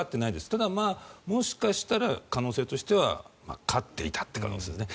ただ、もしかしたら可能性としては勝っていたという可能性ですね。